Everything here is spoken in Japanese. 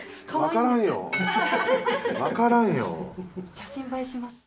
写真映えします。